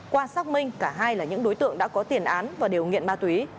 qua xác minh cả hai là những đối tượng đã có tiền án và đều nghiện ma túy